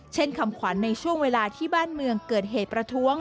คำขวัญในช่วงเวลาที่บ้านเมืองเกิดเหตุประท้วง